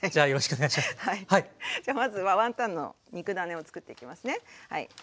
じゃあまずはワンタンの肉ダネをつくっていきますね。